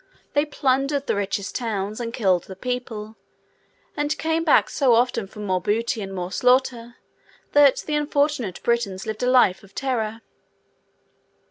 They plundered the richest towns, and killed the people; and came back so often for more booty and more slaughter, that the unfortunate Britons lived a life of terror.